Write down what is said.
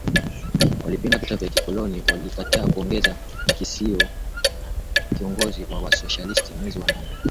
walipinga vita vya kikoloni walikataa kuongeza makisio na kiongozi wa wasoshalisti mwezi wa nane